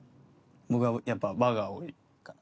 僕はやっぱ和が多いかな。